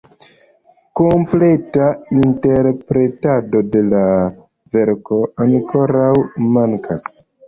Kompleta interpretado de la verko ankoraŭ mankas!